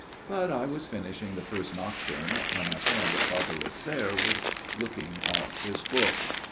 But I was finishing the first nocturn when I saw that Father Lasserre was looking off his book.